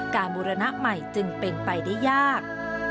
บูรณะใหม่จึงเป็นไปได้ยาก